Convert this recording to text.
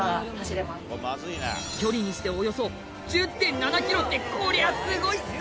距離にしておよそ１０．７キロってこりゃすごいっす！